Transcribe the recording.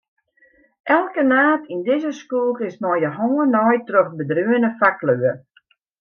Elke naad yn dizze skoech is mei de hân naaid troch bedreaune faklju.